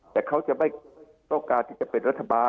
แต่เขาจะไม่ต้องการที่จะเป็นรัฐบาล